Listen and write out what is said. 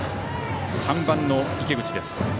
３番の池口です。